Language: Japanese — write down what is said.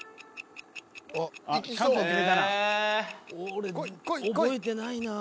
［俺覚えてないなぁ］